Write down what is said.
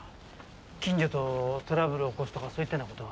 近所とトラブルを起こすとかそういったような事は？